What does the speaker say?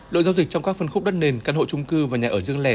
lội giao dịch trong các phân khúc đất nền căn hộ trung cư và nhà ở dưỡng lẻ